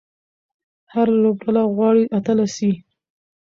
هره لوبډله غواړي اتله سي.